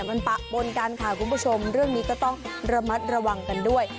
มันปะปนกันค่ะคุณผู้ชมเรื่องนี้ก็ต้องระมัดระวังกันด้วย